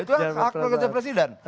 itu hak prerogatif presiden